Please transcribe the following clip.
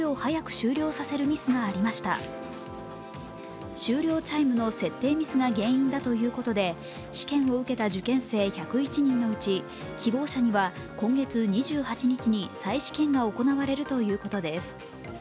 終了チャイムの設定ミスが原因だということで試験を受けた受験生１０１人のうち希望者には今月２８日に再試験が行われるということです。